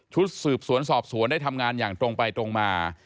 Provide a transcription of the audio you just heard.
สืบสวนสอบสวนได้ทำงานอย่างตรงไปตรงมา